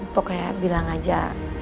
pokoknya bilang aja